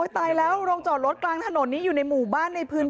ตายแล้วโรงจอดรถกลางถนนนี้อยู่ในหมู่บ้านในพื้นที่